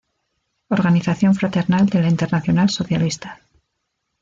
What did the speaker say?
Organización fraternal de la Internacional Socialista.